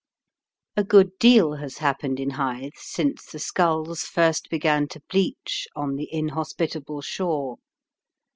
A good deal has happened in Hythe since the skulls first began to bleach on the inhospitable shore.